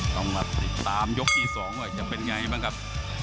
ต้องมาติดตามยกที่๒ว่าจะเป็นไงบ้างครับ